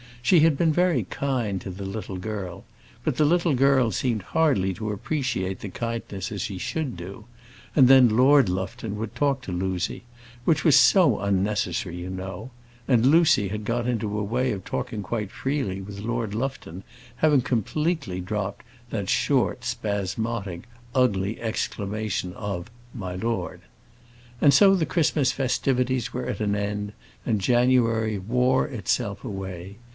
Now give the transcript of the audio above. She had been very kind to the little girl; but the little girl seemed hardly to appreciate the kindness as she should do and then Lord Lufton would talk to Lucy, "which was so unnecessary, you know;" and Lucy had got into a way of talking quite freely with Lord Lufton, having completely dropped that short, spasmodic, ugly exclamation of "my lord." And so the Christmas festivities were at an end, and January wore itself away.